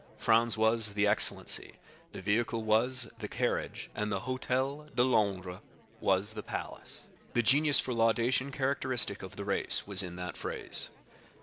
Franz was the "excellency," the vehicle was the "carriage," and the Hôtel de Londres was the "palace." The genius for laudation characteristic of the race was in that phrase.